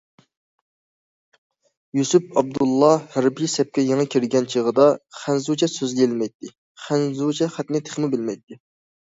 يۈسۈپ ئابدۇللا ھەربىي سەپكە يېڭى كىرگەن چېغىدا خەنزۇچە سۆزلىيەلمەيتتى، خەنزۇچە خەتنى تېخىمۇ بىلمەيتتى.